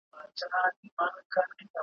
هغه په دغه لنډ عمر کي دونه لیکني وکړې `